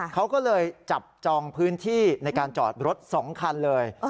เขาก็เลยจับจองพื้นที่ในการจอดรถ๒คันเลย